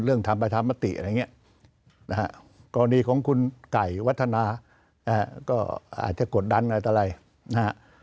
เรื่องธรรมดาธรรมติอะไรอย่างนี้กรณีของคุณไก่วัฒนาก็อาจจะกดดันอะไรตลอด